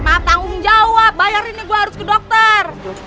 maaf maaf tanggung jawab bayarin nih gue harus ke dokter